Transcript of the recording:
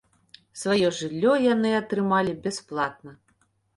Сваё жыллё яны атрымалі бясплатна.